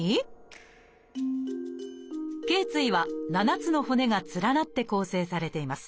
頚椎は７つの骨が連なって構成されています。